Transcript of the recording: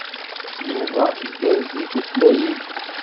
Yuba igerrez deg tutlayin.